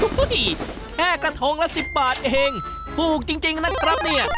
อู้หุ่หุ่หุ่แค่กระทงละ๑๐บาทเองผูกจริงนะครับนี่